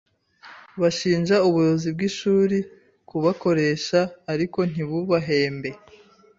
bashinja ubuyobozi bw’ishuri kubakoresha ariko ntibubahembe